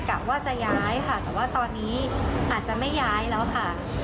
กะว่าจะย้ายค่ะแต่ว่าตอนนี้อาจจะไม่ย้ายแล้วค่ะ